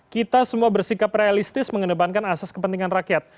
kita semua bersikap realistis mengedepankan asas kepentingan rakyat